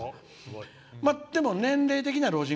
でも、年齢的には老人。